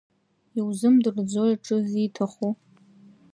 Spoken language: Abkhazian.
Иузымдырӡои аҽы зиҭаху?